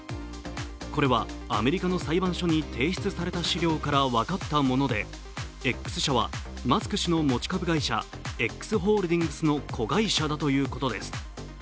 これはアメリカの裁判所に提出された資料から分かったものでＸ社はマスク氏の持ち株会社Ｘホールディングスの子会社だということです。